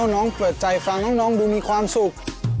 น้องเปิดใจฟังน้องดูมีความสุข